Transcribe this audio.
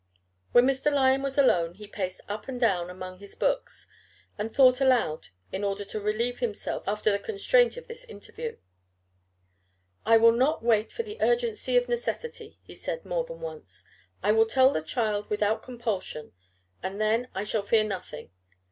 When Mr. Lyon was alone he paced up and down among his books, and thought aloud, in order to relieve himself after the constraint of this interview. "I will not wait for the urgency of necessity," he said more than once. "I will tell the child without compulsion. And then I shall fear nothing.